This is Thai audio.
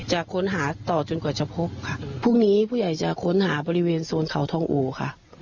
จะค้นหาต่อจนกว่าจะพบค่ะพรุ่งนี้ผู้ใหญ่จะค้นหาบริเวณโซนเขาทองอู่ค่ะ